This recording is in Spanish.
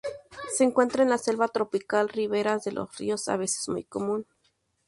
Se encuentra en la selva tropical, riberas de los ríos, a veces muy común.